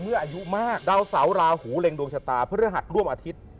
เมื่อยุทธิ์มากราวเสาลาหูเร็งดวงชะตาเพื่อหนัดรวมอาทิตย์